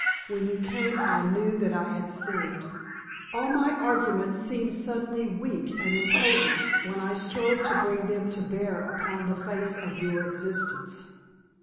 When you came I knew that I had sinned. All my arguments seemed suddenly weak and impotent when I strove to bring them to bear upon the face of your existence."